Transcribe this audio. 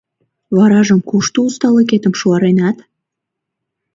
— Варажым кушто усталыкетым шуаренат?